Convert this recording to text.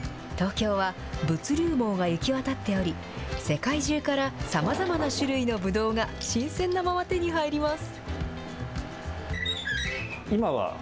東京は、物流網が行き渡っており、世界中からさまざまな種類のブドウが新鮮なまま手に入ります。